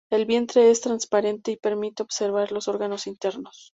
El vientre es transparente y permite observar los órganos internos.